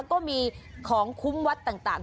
ก็มีของคุ้มวัดต่าง